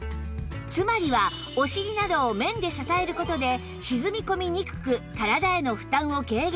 つまりはお尻などを面で支える事で沈み込みにくく体への負担を軽減